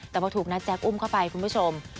แต่พอถูกนะแจ๊คอุ้มเข้าไปคุณผู้ชม